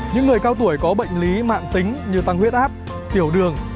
những người cao tuổi có bệnh lý mạng tính như tăng huyết áp tiểu đường